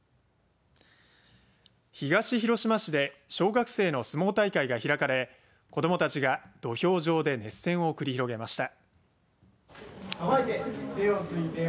東広島市で小学生の相撲大会が開かれ子どもたちが土俵上で熱戦を繰り広げました。